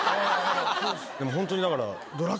ホントにだから。